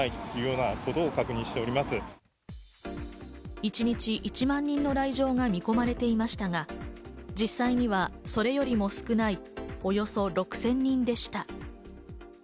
一日１万人の来場が見込まれていましたが、実際にはそれよりも少ないおよそ６０００人でした。